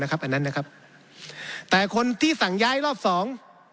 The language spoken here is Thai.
อันนั้นนะครับแต่คนที่สั่งย้ายรอบสอง